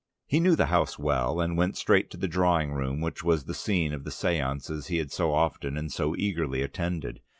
He knew the house well, and went straight to the drawing room, which was the scene of the séances he had so often and so eagerly attended.